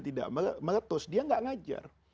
tidak meletus dia tidak mengajar